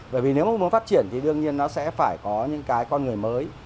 bởi vì nếu muốn phát triển thì đương nhiên nó sẽ phải có những cái con người mới